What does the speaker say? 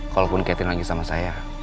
kalaupun catin lagi sama saya